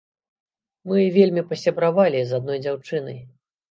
Мы вельмі пасябравалі з адной дзяўчынай.